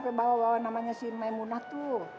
pake bawa bawa namanya si naimunah tuh